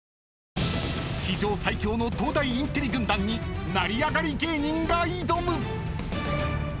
［史上最強の東大インテリ軍団に成り上がり芸人が挑む！］